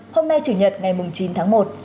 hôm nay chủ nhật ngày chín tháng một